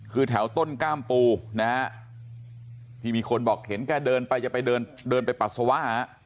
คือแถวต้นกล้ามปูนะฮะที่มีคนบอกเห็นแกเดินไปจะไปเดินไปปัสสาวะ